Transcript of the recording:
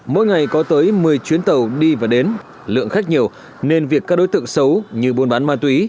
mỗi ngày có tới một mươi chuyến tàu đi và đến lượng khách nhiều nên việc các đối tượng xấu như buôn bán ma túy